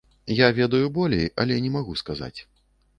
Я ведаю болей, але не магу сказаць.